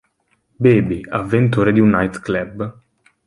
Baby, avventore di un night club.